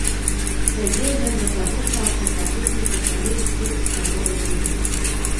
Сядзеў ён да таго часу, пакуль не пачалі ісці ў сабор людзі.